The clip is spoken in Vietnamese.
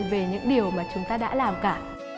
về những điều mà chúng ta đã làm cả